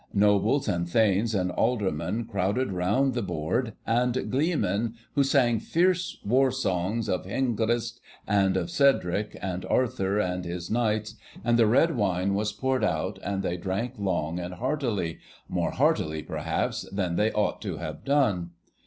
Nobles and thanes and aldermen crowded round the board, and gleemen who sang fierce war songs of Hengist and of Cerdic, and of Arthur and his Knights, and the red wine was poured out, and they drank long and heartily; more heartily, perhaps, than they ought to have done.